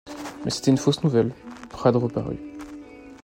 Mais c’était une fausse nouvelle, Prade reparut.